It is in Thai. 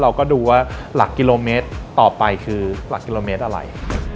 เราก็ดูว่าหลักกิโลเมตรต่อไปคือหลักกิโลเมตรอะไร